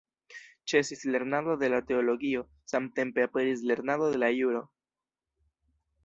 Ĉesis lernado de la teologio, samtempe aperis lernado de la juro.